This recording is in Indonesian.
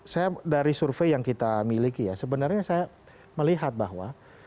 saya dari survei yang kita miliki ya sebenarnya saya melihat bahwa